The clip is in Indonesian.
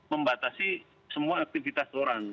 membatasi semua aktivitas orang